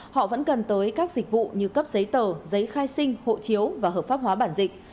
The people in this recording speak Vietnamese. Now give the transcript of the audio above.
họ vẫn cần tới các dịch vụ như cấp giấy tờ giấy khai sinh hộ chiếu và hợp pháp hóa bản dịch